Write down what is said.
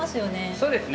そうですね。